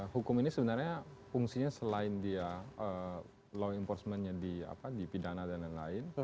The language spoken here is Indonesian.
hukum ini sebenarnya fungsinya selain dia law enforcement nya dipidana dan lain lain